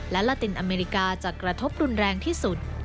และลาตินอเมริกาจะกระทบรุนแรงที่สุด